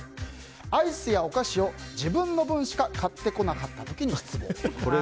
アイスやお菓子を自分の分しか買ってこなかったときに失望。